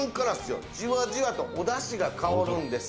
じわじわとおだしが香るんです。